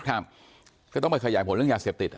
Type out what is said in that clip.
ก็ต้องไปขยายผลเรื่องยาเสพติด